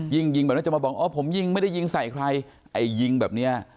ยิงยิงแบบนั้นจะมาบอกอ๋อผมยิงไม่ได้ยิงใส่ใครไอ้ยิงแบบเนี้ย